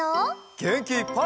げんきいっぱい！